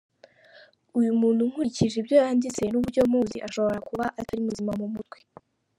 Uyu muntu nkurikije ibyo yanditse n’uburyo muzi ashobora kuba atari muzima mu mutwe